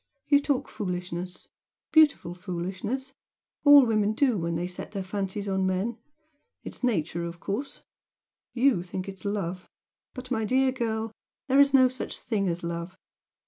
You talk foolishness beautiful foolishness all women do when they set their fancies on men. It is nature, of course, YOU think it is love, but, my dear girl, there is no such thing as love!